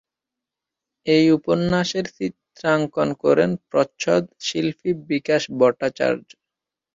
এই উপন্যাসের চিত্রাঙ্কন করেন প্রচ্ছদ শিল্পী বিকাশ ভট্টাচার্য।